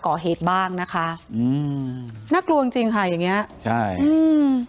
ก่อเหตุบ้างนะคะอืมน่ากลัวจริงจริงค่ะอย่างเงี้ยใช่อืม